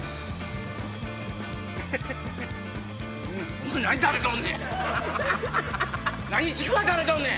お前何食べとんねん！